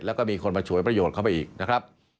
แล้วก็มีคนมาฉวยประโยชน์เข้าไปอีกนะครับ